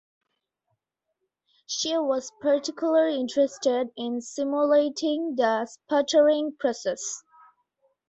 She was particularly interested in simulating the sputtering process.